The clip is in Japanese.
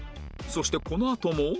そしてこのあとも